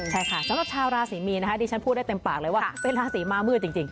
สำหรับชาวราศรีมีนนะฮะจนพูดได้เต็มปากครึ่งเป็นราศรีมามืดจริง